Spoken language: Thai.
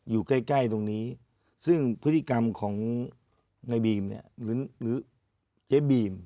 อยู่ใกล้ตรงนี้ซึ่งพฤติกรรมของในบีมเนี่ยหรือเจ๊บีม